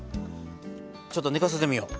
ちょっとねかせてみよう。